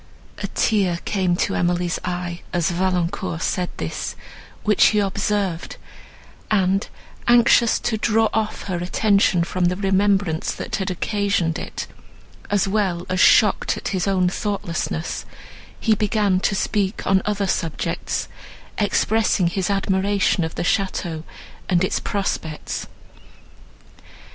A tear came to Emily's eye, as Valancourt said this, which he observed; and, anxious to draw off her attention from the remembrance that had occasioned it, as well as shocked at his own thoughtlessness, he began to speak on other subjects, expressing his admiration of the château, and its prospects.